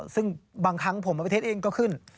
ซึ่งบางครั้งผมเอาไปเท็จเองก็ขึ้น